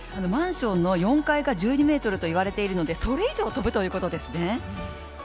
マンションの４階が１２ｍといわれているのでそれ以上飛ぶということですね。